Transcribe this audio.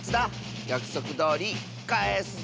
やくそくどおりかえすぞ。